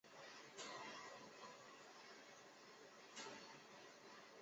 杰佛里也许将这个名字取自凯尔李尔。